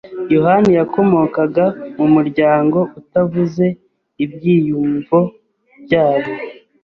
yohani yakomokaga mu muryango utavuze ibyiyumvo byabo.